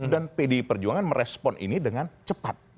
dan pdi perjuangan merespon ini dengan cepat